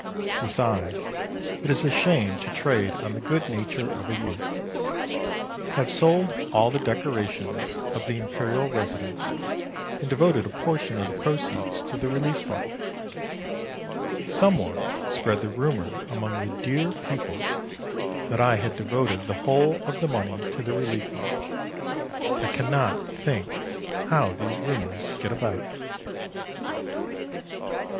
Besides, it is a shame to trade on the good nature of a youth. Have sold all the decorations of the Imperial residence and devoted a portion of the proceeds to the Relief Fund. Some one spread the rumour among the dear people that I had devoted the whole of the money to the Relief Fund. I cannot think how these rumours get about.